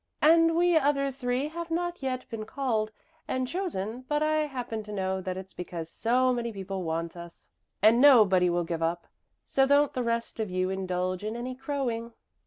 "And we other three have not yet been called and chosen, but I happen to know that it's because so many people want us, and nobody will give up. So don't the rest of you indulge in any crowing."